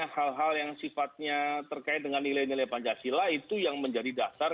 hal hal yang sifatnya terkait dengan nilai nilai pancasila itu yang menjadi dasar